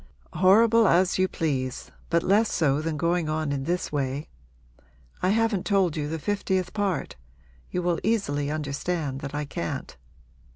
'Horrible as you please, but less so than going on in this way; I haven't told you the fiftieth part you will easily understand that I can't.